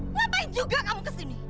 ngapain juga kamu kesini